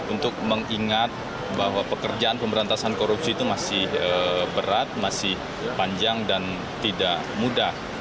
untuk mengingat bahwa pekerjaan pemberantasan korupsi itu masih berat masih panjang dan tidak mudah